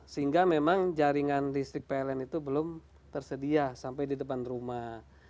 sehingga memang jaringan listrik pln itu belum tersedia sampai di depan rumah